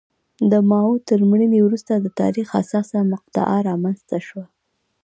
د ماوو تر مړینې وروسته د تاریخ حساسه مقطعه رامنځته شوه.